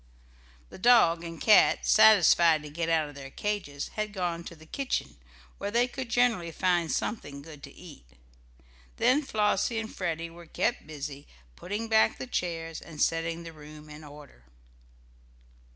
The dog and cat, satisfied to get out of their cages, had gone to the kitchen, where they could generally find something good to eat. Then Flossie and Freddie were kept busy putting back the chairs, and setting the room in order.